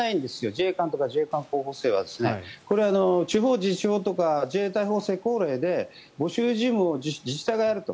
自衛官とか自衛官候補生はこれは地方自治法とか自衛隊法施行令で募集事務を自治体がやると。